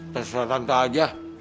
terserah tante aja